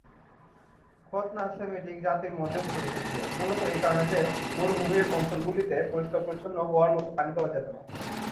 খৎনা Semitic জাতিদের মধ্যেও প্রচলিত ছিল, মুলত এই কারণে যে, মরুভূমির অঞ্চলগুলিতে পরিষ্কার-পরিচ্ছন্ন হওয়ার মত পানি পাওয়া জেট না।